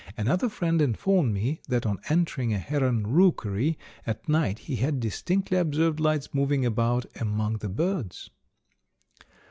Another friend informed me that on entering a heron rookery at night he had distinctly observed lights moving about among the birds."